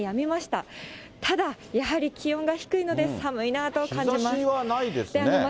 ただ、やはり気温が低いので、寒いなあと感じます。